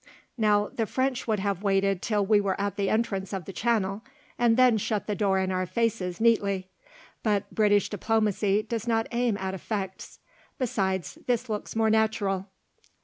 Now the French would have waited till we were at the entrance of the channel, and then shut the door in our faces neatly. But British Diplomacy does not aim at effects; besides, this looks more natural."